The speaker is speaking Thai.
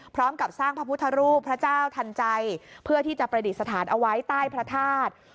พร้อมกับสร้างพระพุทธรูปพระเจ้าทันใจเพื่อที่จะประดิษฐานเอาไว้ใต้พระธาตุ